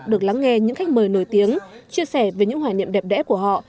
được lắng nghe những khách mời nổi tiếng chia sẻ về những hoài niệm đẹp đẽ của họ